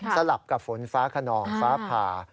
สลับกับฝนฟ้าขนองฟ้าผ่า